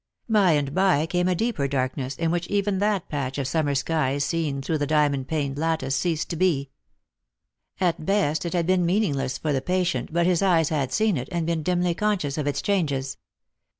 By and by came a deeper darkness, in which even that patch of summer sky seen through the diamond paned lattice ceased to be. At best it had been meaningless for the patient, but his eyes had seen it, and been dimly conscious of its changes.